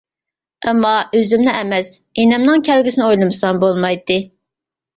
ئەمما، ئۆزۈمنى ئەمەس ئىنىمنىڭ كەلگۈسىنى ئويلىمىسام بولمايتتى.